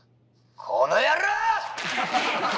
この野郎！